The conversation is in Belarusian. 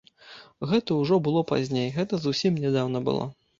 Гэта ўжо было пазней, гэта зусім нядаўна было.